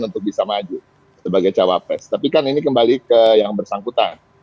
untuk bisa maju sebagai cawapres tapi kan ini kembali ke yang bersangkutan